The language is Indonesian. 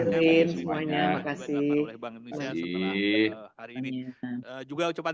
terima kasih mas erwin semuanya